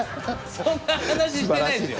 そんな話してないでしょ！